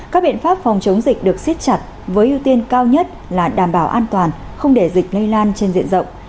các biện pháp phòng chống dịch được xiết chặt với ưu tiên cao nhất là đảm bảo an toàn không để dịch lây lan trên diện rộng